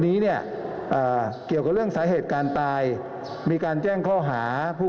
นี้เนี่ยเกี่ยวกับเรื่องสาเหตุการณ์ตายมีการแจ้งข้อหาผู้